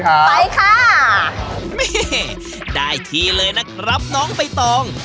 เย็นดีครับไปค่ะได้ทีเลยนะครับน้องเบตอง